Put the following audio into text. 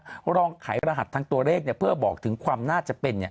รองไขรหัสทางตัวเลขเพื่อบอกถึงความน่าจะเป็น